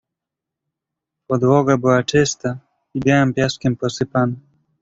"Podłoga była czysta i białym piaskiem posypana."